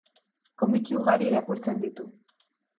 Komiki ugari irakurtzen ditu.